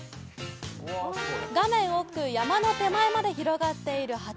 画面奥、山の手前まで広がっている畑。